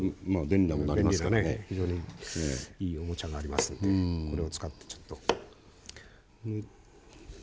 便利なね非常にいいおもちゃがありますんでこれを使ってちょっと。